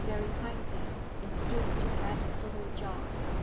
very kindly, and stooped to pat little Job.